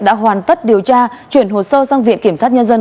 đã hoàn tất điều tra chuyển hồ sơ sang viện kiểm sát nhân dân